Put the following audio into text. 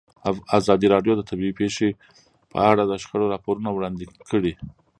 ازادي راډیو د طبیعي پېښې په اړه د شخړو راپورونه وړاندې کړي.